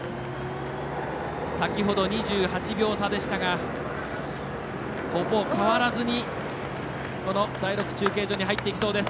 先ほど２８秒差でしたがほぼ変わらずに、第６中継所に入っていきそうです。